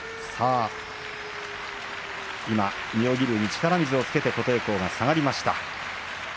今、妙義龍に力水をつけて琴恵光が下がりました。